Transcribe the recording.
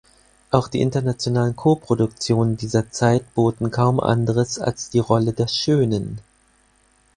Auch die internationalen Koproduktionen dieser Zeit boten kaum anderes als die Rolle der Schönen.